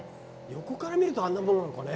横から見るとあんなもんなのかね。